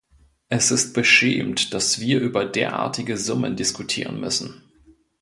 Es ist beschämend, dass wir über derartige Summen diskutieren müssen.